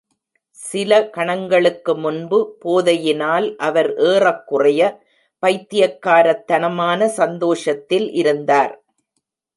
சில கணங்களுக்கு முன்பு போதையினால் அவர் ஏறக்குறைய பைத்தியக்காரத்தனமான சந்தோஷத்தில் இருந்தார்.